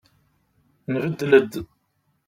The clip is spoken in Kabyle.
Nbeddel-d.